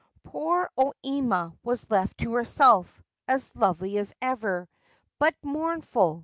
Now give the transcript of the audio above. Poor O Ima was left to herself, as lovely as ever, but mournful.